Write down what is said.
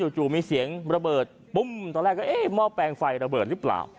จู่มีเสียงระเบิดปุ้มตอนแรกก็เอ๊ะหม้อแปลงไฟระเบิดหรือเปล่า